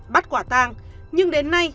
bắt quả tàng nhưng đến nay